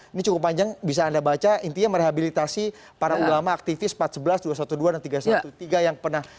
ini cukup panjang bisa anda baca intinya merehabilitasi para ulama aktivis empat belas dua ratus dua belas dan tiga ratus tiga belas yang pernah